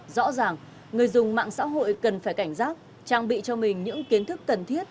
rõ ràng người dùng mạng xã hội cần phải cảnh giác trang bị cho mình những kiến thức cần thiết